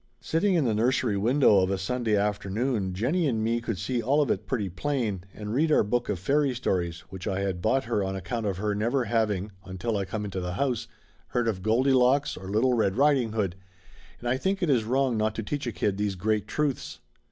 Sitting in the nursery win dow of a Sunday afternoon Jennie and me could see all of it pretty plain, and read our book of fairy stories Laughter Limited 155 which I had bought her on account of her never having, until I come into the house, heard of Goldilocks or Little Red Riding Hood, and I think it is wrong not to teach a kid those great truths.